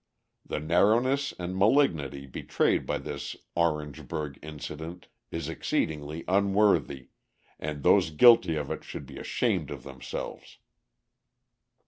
The narrowness and malignity betrayed in this Orangeburg incident is exceedingly unworthy, and those guilty of it should be ashamed of themselves.